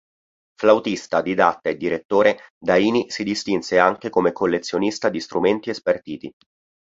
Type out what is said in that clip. Flautista, didatta e direttore, Daini si distinse anche come collezionista di strumenti e spartiti.